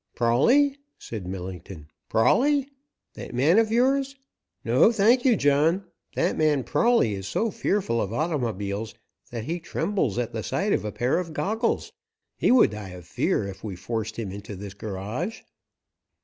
"Prawley?" said Millington. "Prawley? That man of yours? No, thank you, John. That man Prawley is so fearful of automobiles that he trembles at the sight of a pair of goggles. He would die of fear if we forced him into this garage."